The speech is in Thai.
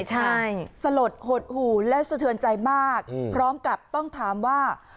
ใช่สลดหดหูและสะเทือนใจมากพร้อมกับต้องถามว่า